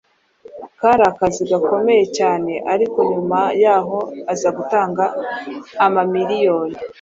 Kari akazi gakomeye cyane ariko nyuma y’aho aza gutunga amamiliyoni